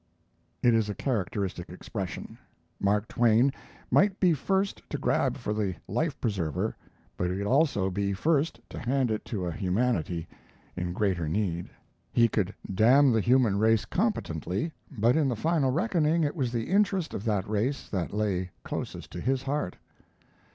It is a characteristic expression. Mark Twain might be first to grab for the life preserver, but he would also be first to hand it to a humanity in greater need. He could damn the human race competently, but in the final reckoning it was the interest of that race that lay closest to his heart.